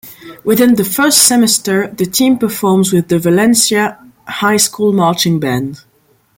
Within the first semester the team performs with the Valencia High School Marching Band.